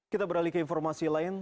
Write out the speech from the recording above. kita beralih ke informasi lain